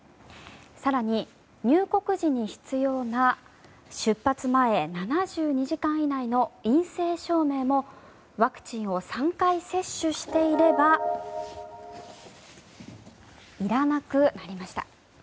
更に、入国時に必要な出発前７２時間以内の陰性証明もワクチンを３回接種していればいらなくなりました。